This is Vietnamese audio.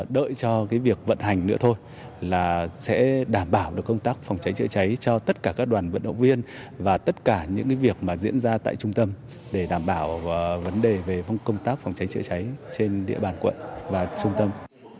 đợi cho việc vận hành nữa thôi là sẽ đảm bảo được công tác phòng cháy chữa cháy cho tất cả các đoàn vận động viên và tất cả những việc mà diễn ra tại trung tâm để đảm bảo vấn đề về công tác phòng cháy chữa cháy trên địa bàn quận và trung tâm